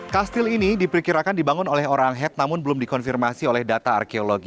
kastil ini diperkirakan dibangun oleh orang head namun belum dikonfirmasi oleh data arkeologi